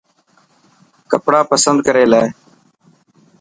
ڪپڙا پسند ڪري لي.